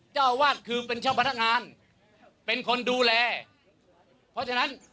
เจ้าอาวาสคือเป็นเจ้าพนักงานเป็นคนดูแลเพราะฉะนั้น